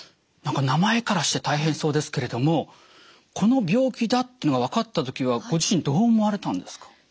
何か名前からして大変そうですけれどもこの病気だっていうのが分かった時はご自身どう思われたんですか？